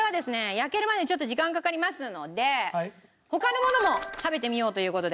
焼けるまでにちょっと時間かかりますので他のものも食べてみようという事で。